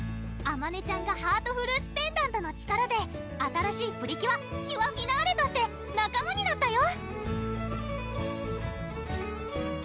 あまねちゃんがハートフルーツペンダントの力で新しいプリキュア・キュアフィナーレとして仲間になったよ！